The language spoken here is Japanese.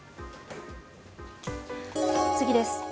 次です。